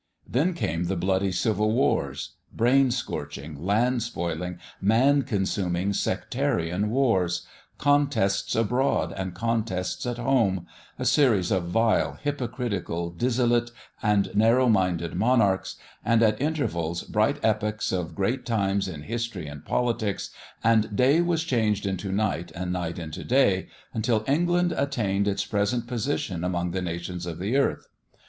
Then came the bloody civil wars brain scorching, land spoiling, men consuming, sectarian wars contests abroad and contests at home a series of vile, hypocritical, dissolute, and narrow minded monarchs and at intervals bright epochs of great times in history and politics, and day was changed into night and night into day, until England attained its present position among the nations of the earth.